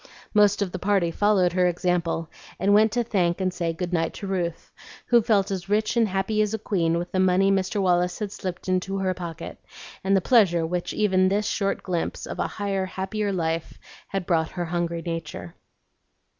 Most of the party followed her example, and went to thank and say good night to Ruth, who felt as rich and happy as a queen with the money Mr. Wallace had slipped into her pocket, and the pleasure which even this short glimpse of a higher, happier life had brought her hungry nature.